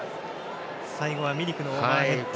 最後はミリクのオーバーヘッド。